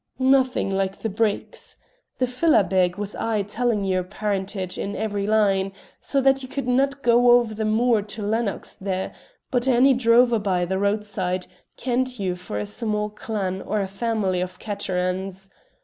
"Nothing like the breeks. The philabeg was aye telling your parentage in every line, so that you could not go over the moor to Lennox there but any drover by the roadside kent you for a small clan or a family of caterans.